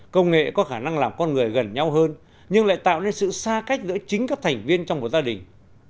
công nghệ có khả năng làm con người gần nhau hơn nhưng lại tạo nên sự xa cách giữa chính các thành viên trong một gia đình